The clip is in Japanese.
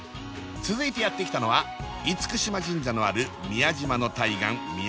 続いてやって来たのは嚴島神社のある宮島の対岸宮島口